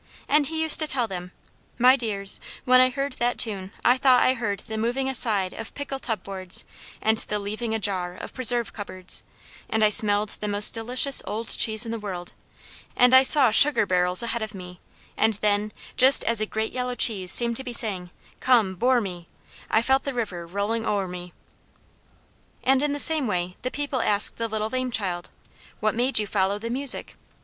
and he used to tell them, "My dears, when I heard that tune I thought I heard the moving aside of pickle tub boards, and the leaving ajar of preserve cupboards, and I smelled the most delicious old cheese in the world, and I saw sugar barrels ahead of me; and then, just as a great yellow cheese seemed to be saying, 'Come, bore me' I felt the river rolling o'er me!" And in the same way the people asked the little lame child, "What made you follow the music?"